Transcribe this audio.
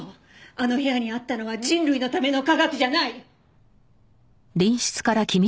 あの部屋にあったのは人類のための科学じゃない！